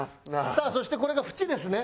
さあそしてこれがフチですね。